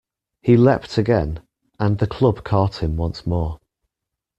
He leapt again, and the club caught him once more.